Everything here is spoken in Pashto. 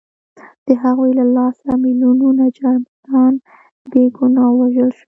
د هغوی له لاسه میلیونونه جرمنان بې ګناه ووژل شول